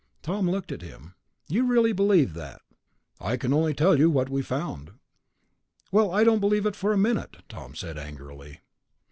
Tom looked at him. "You really believe that?" "I can only tell you what we found." "Well, I don't believe it for a minute," Tom said angrily.